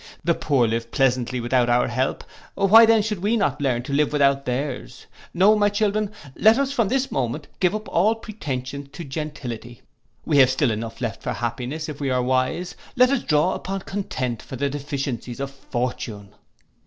The poor live pleasantly without our help, why then should not we learn to live without theirs. No, my children, let us from this moment give up all pretensions to gentility; we have still enough left for happiness if we are wise, and let us draw upon content for the deficiencies of fortune.